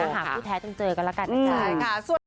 คุณแท้ต้องเจอกันละกันนะครับ